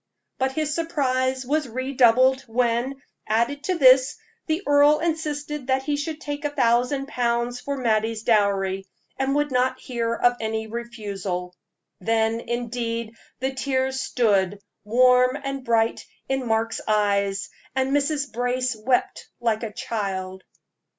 But his surprise was redoubled when, added to this, the earl insisted that he should take a thousand pounds for Mattie's dowry, and would not hear of any refusal. Then, indeed, the tears stood, warm and bright, in Mark's eyes, and Mrs. Brace wept like a child.